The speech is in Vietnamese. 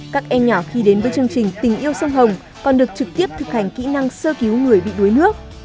các em nhỏ khi đến với chương trình tình yêu sông hồng còn được trực tiếp thực hành kỹ năng sơ cứu người bị đuối nước